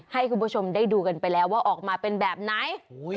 ให้คุณผู้ชมได้ดูกันไปแล้วว่าออกมาเป็นแบบไหน